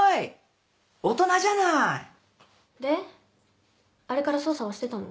であれから捜査はしてたの？